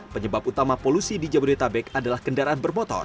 penyebab utama polusi di jabodetabek adalah kendaraan bermotor